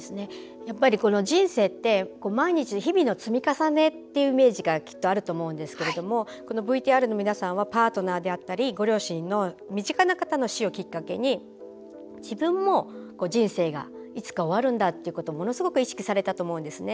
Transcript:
やっぱり人生って毎日の日々の積み重ねっていうイメージがきっとあると思うんですけれどもこのＶＴＲの皆さんはパートナーであったりご両親の身近な方の死をきっかけに自分も人生がいつか終わるんだということを、ものすごく意識されたと思うんですね。